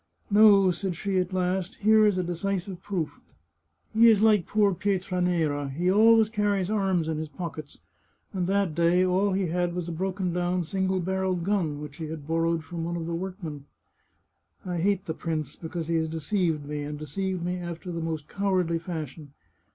" No," said she at last, " here is a decisive proof. He is like poor Pietranera; he always carries arms in his pockets, and that day all he had was a broken down single barrelled gun, which he had borrowed from one of the workmen. " I hate the prince, because he has deceived me, and de ceived me after the most cowardly fashion.